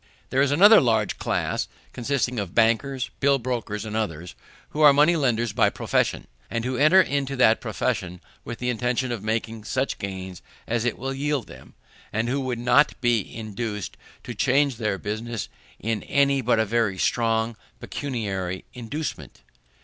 _ There is another large class, consisting of bankers, bill brokers, and others, who are money lenders by profession; who enter into that profession with the intention of making such gains as it will yield them, and who would not be induced to change their business by any but a very strong pecuniary inducement.